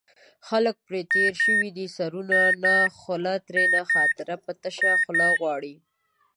خلک پرې تېر شوي دي سرونو نه خوله ترېنه خاطر په تشه خوله غواړي